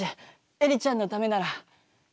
エリちゃんのためなら。